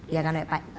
iya kan pak